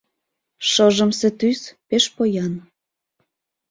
Шыжымсе тӱс пеш поян.